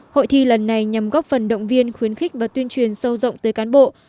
hội thi lần này nhằm góp phần động viên khuyến khích và tuyên truyền sâu rộng tới cán bộ